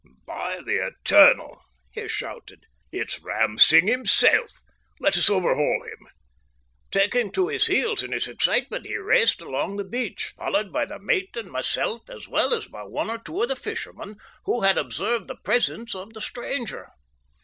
"By the eternal," he shouted, "it's Ram Singh himself! Let us overhaul him!" Taking to his heels in his excitement he raced along the beach, followed by the mate and myself, as well as by one or two of the fishermen who had observed the presence of the stranger.